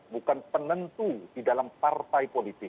bukan penentu di dalam partai politik